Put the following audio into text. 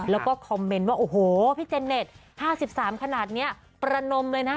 แล้วก็คอมเมนต์ว่าโอ้โหพี่เจนเน็ต๕๓ขนาดนี้ประนมเลยนะ